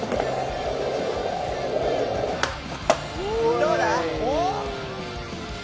どうだ？